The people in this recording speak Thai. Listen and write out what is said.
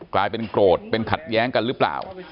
กลายเป็นโกรธเป็นขัดแย้งกันหรือเปล่า